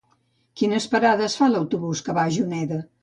Quines parades fa l'autobús que va a Juneda?